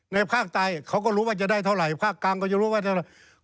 ภาคใต้เขาก็รู้ว่าจะได้เท่าไหร่ภาคกลางก็จะรู้ว่าเท่าไหร่